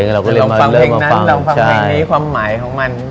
เราก็ลองฟังเพลงนั้นลองฟังเพลงนี้ความหมายของมัน